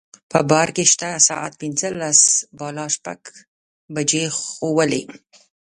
په بار کې شته ساعت پنځلس بالا شپږ بجې ښوولې.